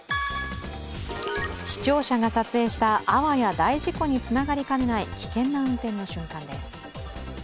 視聴者が撮影したあわや大事故につながりかねない危険な運転の瞬間です。